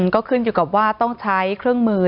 ก็ขึ้นอยู่กับว่าต้องใช้เครื่องมือ